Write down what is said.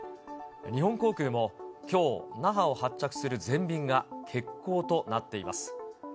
日本航空も、きょう、那覇を発着する全便が欠航となっています。